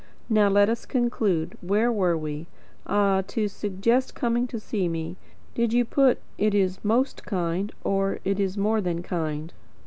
Now let us conclude. Where were we? Ah 'to suggest coming to see me.' Did you put `It is most kind' or `It is more than kind?'"